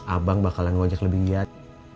abang bakalan ngajak lebih giat